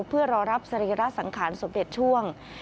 เพื่อรอรับสรีระสังขารสมเด็จช่วง